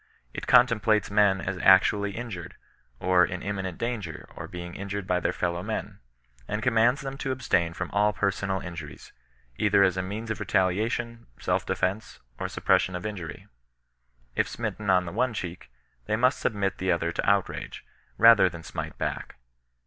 It contemplates men as actually injured, or in imminent danger of being injured by their fellow men; and commands them to abstain from all personal injuries, either as a means of retaliation, self defence, or suppression of injury. If smitten on the one cheek, they must submit the other to outrage, rather than smite bac&.